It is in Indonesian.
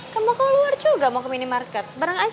kamu kan luar juga mau ke minimarket bareng aja ya